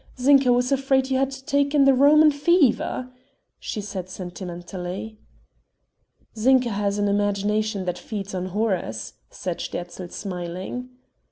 Zinka was afraid you had taken the Roman fever," she said sentimentally. "Zinka has an imagination that feeds on horrors," said Sterzl smiling.